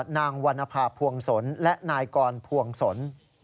นางวรรณภาพวงศลและนายกรพวงศล